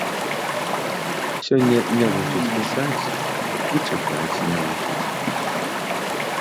Сёння не вучаць пісаць, і чытаць не вучаць.